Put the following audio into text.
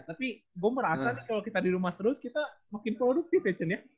tapi gue merasa nih kalau kita di rumah terus kita makin produktif ya chen ya